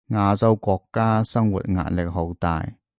亞洲國家生活壓力好大